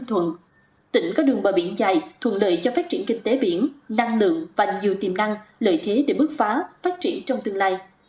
ninh thuận tỉnh có đường bờ biển dài thuận lợi cho phát triển kinh tế biển năng lượng và nhiều tiềm năng lợi thế để bước phá phát triển trong tương lai